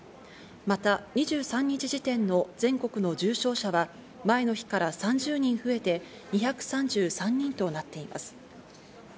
また２３日時点の全国の重症者は前の日から３０人増えて、２３３人となっています。